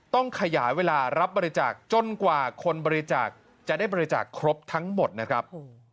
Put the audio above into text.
ต้องขยายเวลารับบริจาคจนกว่าคนบริจาคจะได้บริจาคครบทั้งหมดนะครับ